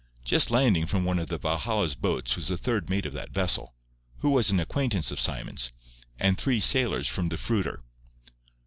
Just landing from one of the Valhalla's boats was the third mate of that vessel, who was an acquaintance of Simon's, and three sailors from the fruiter.